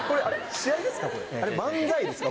試合ですか？